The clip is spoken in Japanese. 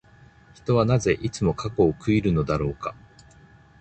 人はなぜ、いつも過去を悔いるのだろうか。